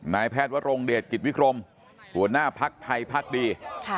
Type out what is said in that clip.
นายแพทย์วรงเดชกิจวิกรมหัวหน้าภักดิ์ไทยพักดี